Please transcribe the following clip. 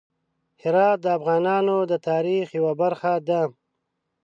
هرات د افغانانو د تاریخ یوه برخه ده.